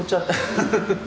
フフフフ。